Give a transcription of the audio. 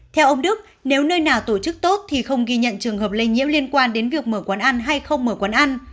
theo ông đức nếu nơi nào tổ chức tốt thì không ghi nhận trường hợp lây nhiễm liên quan đến việc mở quán ăn hay không mở quán ăn